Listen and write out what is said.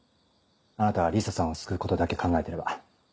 あなたはリサさんを救うことだけ考えてれば。